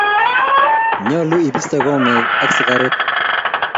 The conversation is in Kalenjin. nyoluu ibiste komek ak sigaret